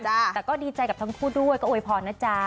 แต่ก็ดีใจกับทั้งคู่ด้วยก็โวยพรนะจ๊ะ